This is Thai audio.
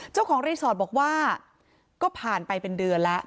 เจ้าของรีสอร์ทบอกว่าก็ผ่านไปเป็นเดือนแล้ว